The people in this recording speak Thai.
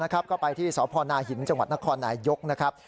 ก็ไปที่สพนาหินจังหวัดนครนายยกนะครับ